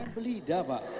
ikan belida pak